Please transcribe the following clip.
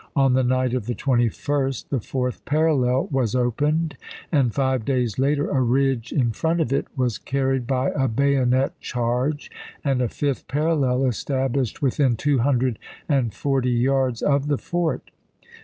On the night of the 21st the fourth parallel was opened, and five days later a ridge in front of it was carried by a bayonet charge, and a fifth parallel established within two hundred and forty yards of the fort.